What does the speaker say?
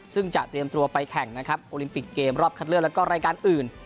ซึ่งจะเตรียมตัวไปแข่งนะครับโอลิมปิกเกมรอบคัดเลือกแล้วก็รายการอื่น